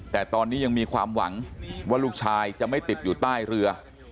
แต่ตอนนี้ยังมีความหวังว่าลูกชายจะไม่ติดอยู่ใต้เรือ